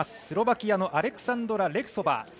スロバキアのアレクサンドラ・レクソバー。